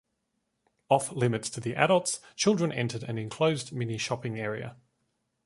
Off-limits to the adults, children entered an enclosed mini shopping area.